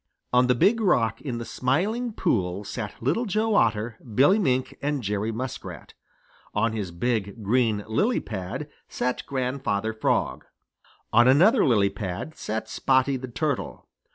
On the Big Rock in the Smiling Pool sat Little Joe Otter, Billy Mink, and Jerry Muskrat. On his big, green lily pad sat Grandfather Frog. On another lily pad sat Spotty the Turtle.